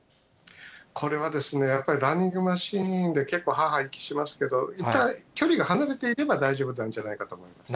これはですね、やっぱりランニングマシーンで結構はあはあ息しますけど、距離が離れていれば大丈夫なんじゃないかと思います。